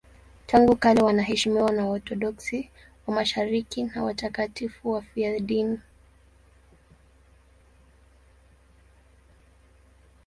Tangu kale wanaheshimiwa na Waorthodoksi wa Mashariki kama watakatifu wafiadini.